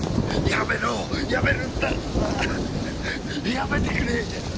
やめてくれ。